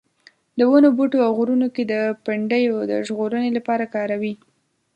د ونو بوټو او غرونو کې د پنډیو د ژغورنې لپاره کاروي.